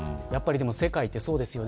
世界ってそうですよね。